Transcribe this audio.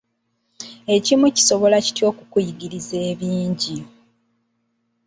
Ekimu kisobola kitya okukuyigiriza ebingi?